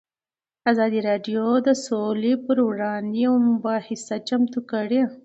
ازادي راډیو د سوله پر وړاندې یوه مباحثه چمتو کړې.